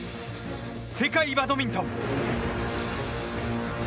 世界バドミントン。